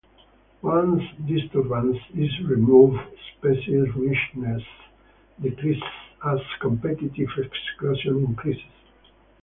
Once disturbance is removed, species richness decreases as competitive exclusion increases.